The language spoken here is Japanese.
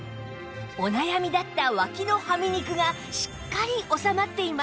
お悩みだったわきのはみ肉がしっかり収まっています